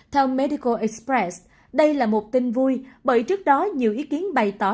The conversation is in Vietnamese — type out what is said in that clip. theo medicor express đây là một tin vui bởi trước đó nhiều ý kiến bày tỏ